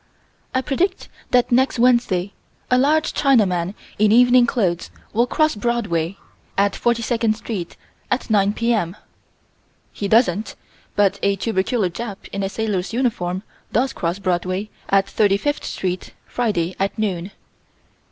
I predict that next Wednesday, a large Chinaman, in evening clothes, will cross Broadway, at 42nd Street, at 9 P.M. He doesn't, but a tubercular Jap in a sailor's uniform does cross Broadway, at 35th Street, Friday, at noon.